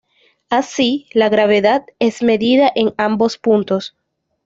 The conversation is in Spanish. Así, la gravedad es medida en ambos puntos.